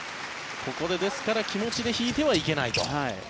ここで、ですから気持ちで引いてはいけないと。